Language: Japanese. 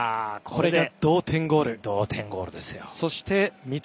これで同点ゴール。